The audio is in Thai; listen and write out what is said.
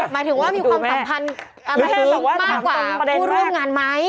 หมายถึงว่ามีความสัมพันธ์อะไรมากกว่าผู้ร่วมงานไหม